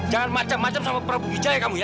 jangan macam macam sama prabu wijaya kamu ya